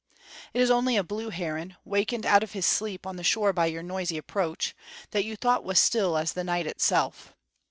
It is only a blue heron, wakened out of his sleep on the shore by your noisy approach, that you thought was still as the night itself.